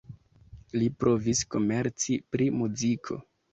Li provis komerci pri muziko.